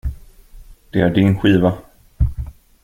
Det är din skiva.